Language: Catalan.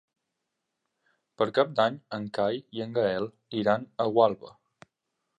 Per Cap d'Any en Cai i en Gaël iran a Gualba.